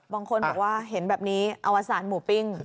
บางคนบอกว่าเห็นแบบนี้อวสารหมูปิ้ง